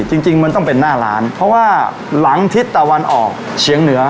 จริงจริงมันต้องเป็นหน้าร้านเพราะว่าหลังทิศตะวันออกเฉียงเหนือ